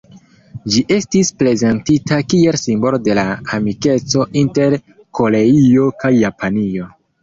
Ĝi estis prezentita kiel "simbolo de la amikeco inter Koreio kaj Japanio".